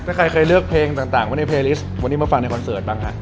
ถ้าใครเคยเลือกเพลงต่างไว้ในเพลิสวันนี้มาฟังในคอนเสิร์ตบ้างฮะ